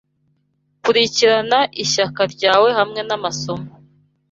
Kurikirana ishyaka ryawe hamwe namasomo